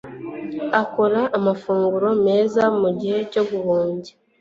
Akora amafunguro meza mugihe cyo guhumbya.